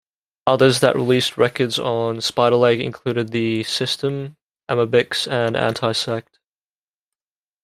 Others that released records on Spiderleg included The System, Amebix and Antisect.